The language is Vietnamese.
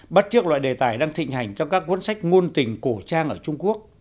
bất chức loại đề tài đang thịnh hành trong các cuốn sách ngôn tình cổ trang ở trung quốc